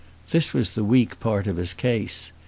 This was the weak part of his case.